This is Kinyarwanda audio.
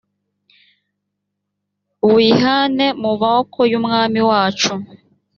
buyihane mu maboko y umwami wacu